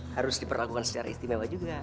harus diperlakukan secara istimewa juga